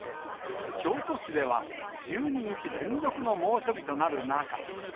京都市では、１２日連続の猛暑日となる中。